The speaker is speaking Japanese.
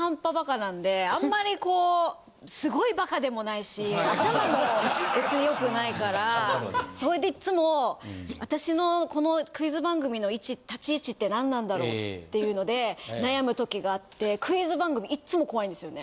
あんまりこうすごいバカでもないし頭も別によくないからそれでいっつも私のこのクイズ番組の位置立ち位置って何なんだろうっていうので悩む時があってクイズ番組いっつも怖いんですよね。